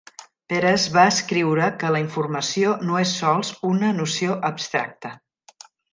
Peres va escriure que la informació no és sols una noció abstracta.